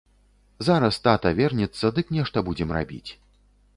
Зараз тата вернецца, дык нешта будзем рабіць.